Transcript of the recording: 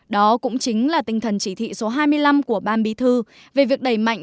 đó cũng chính là tinh thần chỉ thị số hai mươi năm của ban bí thư về việc đẩy mạnh